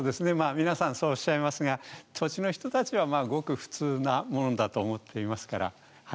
皆さんそうおっしゃいますが、土地の人たちはごく普通のものだと思っていますから。